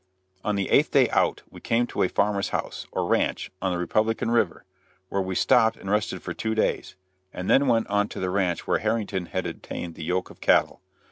On the eighth day out we came to a farmer's house, or ranch, on the Republican River, where we stopped and rested for two days, and then went on to the ranch where Harrington had obtained the yoke of cattle.